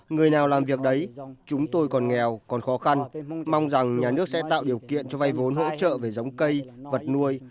người nào làm việc đấy chúng tôi còn nghèo còn khó khăn mong rằng nhà nước sẽ tạo điều kiện cho vay vốn hỗ trợ về giống cây vật nuôi